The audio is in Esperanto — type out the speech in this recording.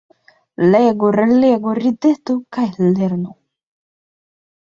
Legu, relegu, ridetu kaj lernu.